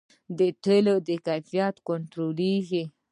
د تیلو کیفیت کنټرولیږي؟